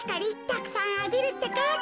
たくさんあびるってか。